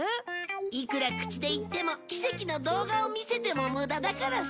いくら口で言っても奇跡の動画を見せても無駄だからさ。